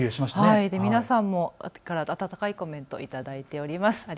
皆さんから温かいコメント頂いております。